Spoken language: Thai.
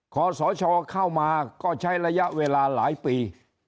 ขอสชเข้ามาก็ใช้ระยะเวลาหลายปี